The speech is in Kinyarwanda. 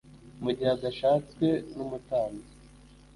mu gihe adashatswe n'umutambyi